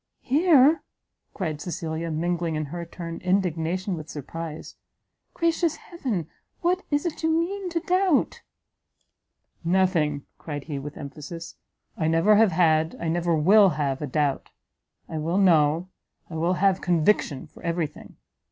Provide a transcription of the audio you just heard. "Here!" cried Cecilia, mingling, in her turn, indignation with surprise, "gracious heaven! what is it you mean to doubt?" "Nothing!" cried he, with emphasis, "I never have had, I never will have a doubt! I will know, I will have conviction for every thing!